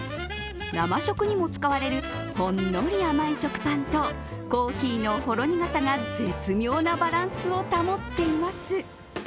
生食にも使われるほんのり甘い食パンとコーヒーのほろ苦さが絶妙なバランスを保っています。